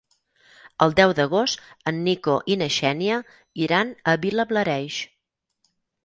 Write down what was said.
El deu d'agost en Nico i na Xènia iran a Vilablareix.